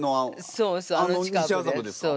そうそう。